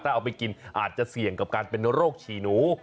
ถ้าเอาไปกินอาจจะเสี่ยงกับการเป็นโรคฉี่หนู